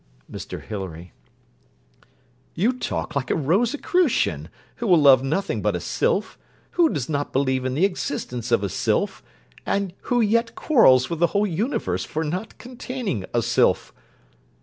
MR HILARY You talk like a Rosicrucian, who will love nothing but a sylph, who does not believe in the existence of a sylph, and who yet quarrels with the whole universe for not containing a sylph.